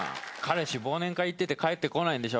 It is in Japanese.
彼氏忘年会行ってて帰ってこないんでしょ。